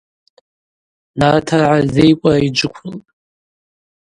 Нартыргӏа зейкӏвара йджвыквылтӏ.